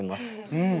うん！